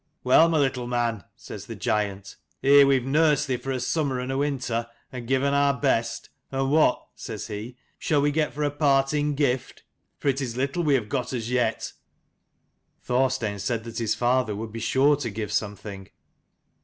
"Well, my little man," says the giant, "here we have nursed thee for a summer and a winter, and given our best: and what," says he, "shall we get for a parting gift ? for it is little we have got as yet." Thorstein said that his father would be sure to give something.